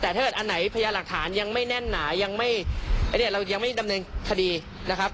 แต่ถ้าเกิดอันไหนพยาหลักฐานยังไม่แน่นหนายังไม่อันนี้เรายังไม่ดำเนินคดีนะครับ